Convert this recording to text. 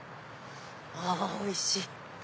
あおいしい！